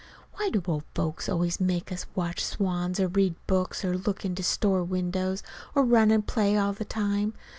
(Why do old folks always make us watch swans or read books or look into store windows or run and play all the time?